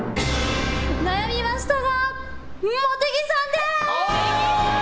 悩みましたが茂木さんで！